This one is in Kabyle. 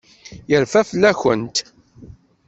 Yerfa fell-akent.